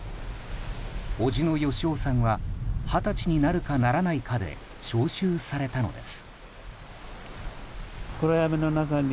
叔父の芳雄さんは二十歳になるかならないかで召集されたのです。